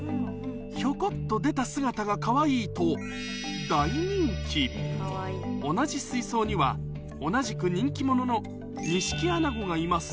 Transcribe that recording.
ひょこっと出た姿がかわいいと同じ水槽には同じく人気者のニシキアナゴがいます